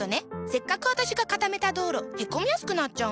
せっかく私が固めた道路へこみやすくなっちゃうの。